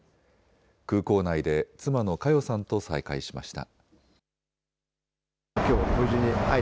空港内で妻の佳代さんと再会しました。